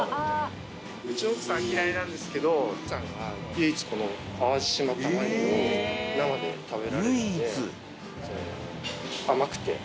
うちの奥さん嫌いなんですけど奥さんが唯一この淡路島玉ねぎを生で食べられるので。